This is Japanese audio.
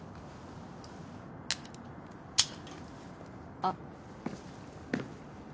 あっ。